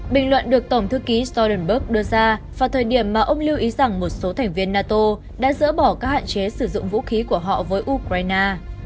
bình luận được tổng thư ký stolenberg đưa ra vào thời điểm mà ông lưu ý rằng một số thành viên nato đã dỡ bỏ các hạn chế sử dụng vũ khí của họ với ukraine